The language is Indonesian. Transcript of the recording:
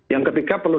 yang ketiga perlu